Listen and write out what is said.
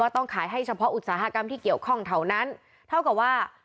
ต้องขายให้เฉพาะอุตสาหกรรมที่เกี่ยวข้องเท่านั้นเท่ากับว่า